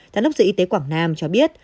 giám đốc sở y tế quảng nam cho biết